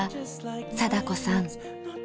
貞子さん。